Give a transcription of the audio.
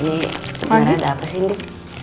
ini sebenarnya ada apa sih ini